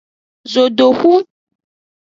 Zodohu.